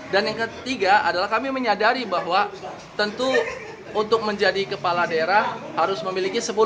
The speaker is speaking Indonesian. dan yang ketiga adalah kami menyadari bahwa tentu untuk menjadi kepala daerah harus memiliki sepuluh kursi minimal